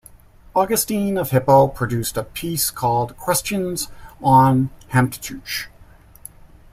Augustine of Hippo produced a piece called "Questions on the Heptateuch".